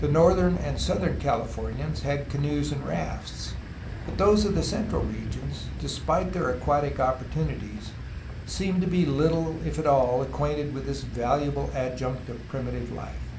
The northern and southern Calif ornians had canoes and rafts, but those of the central regions, despite their aquatic opportunities, seemed to be little, if at all, acquainted with this valuable adjunct of primitive life.